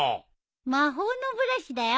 魔法のブラシだよ